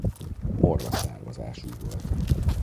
Morva származású volt.